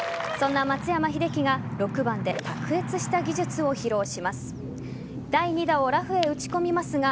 そんな松山英樹が６番で卓越した技術を披露します。